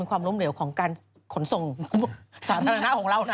ความล้มเหลวของการขนส่งสาธารณะของเรานะ